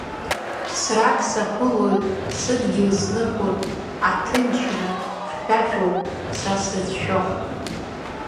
Ԥсрак саԥылоит сыдгьыл снықәыр, аҭынчра хьшәашәоуп са сзыцәшәо.